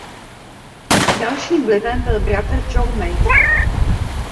Dalším vlivem byl bratr Joe May.